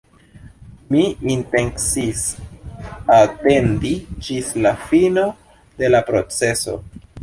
Mi intencis atendi ĝis la fino de la proceso.